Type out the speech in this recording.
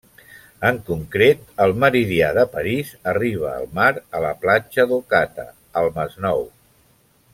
En concret, el meridià de París arriba al mar a la platja d'Ocata, al Masnou.